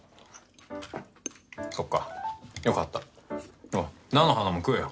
そうかよかった菜の花も食えよ。